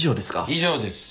以上です。